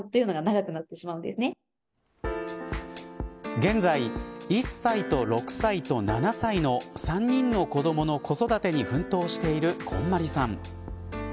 現在、１歳と６歳と７歳の３人の子どもの子育てに奮闘しているこんまりさん。